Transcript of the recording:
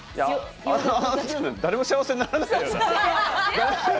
誰も幸せにならないよな。